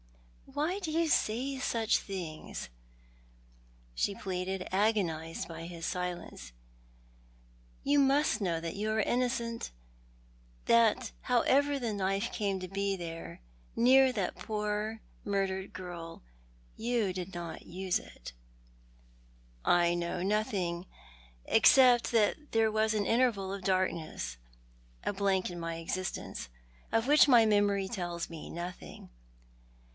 "Why do you fay such things?" she pleaded, agonised by his silence. "You must know that you are innocent, that Encompassed with Dark7iess. 131 however the knife came to be there, uear that poor murdered girl, you did not use it." "I know nothing — except that there was an interval of darkness, a blank in my existence, of which my memory tells me nothing.